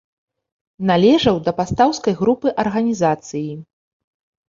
Належаў да пастаўскай групы арганізацыі.